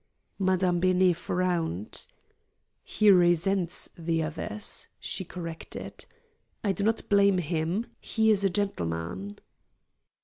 Madame Benet frowned. "He resents the others," she corrected. "I do not blame him. He is a gentleman!"